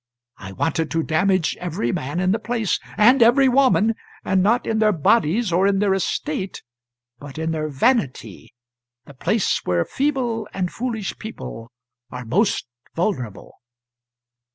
I wanted to damage every man in the place, and every woman and not in their bodies or in their estate, but in their vanity the place where feeble and foolish people are most vulnerable.